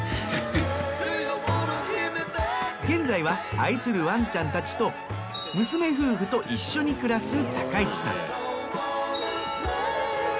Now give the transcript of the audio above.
現在は愛するワンちゃんたちと娘夫婦と一緒に暮らす一さん。